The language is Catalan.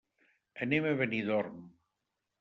Anem a Benidorm.